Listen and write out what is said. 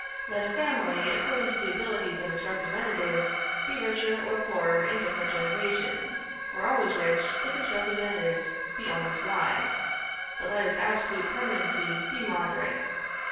Let a family according to the abilities of its representatives, be richer or poorer in different generations, or always rich if its representatives be always wise: but let its absolute permanency be moderate.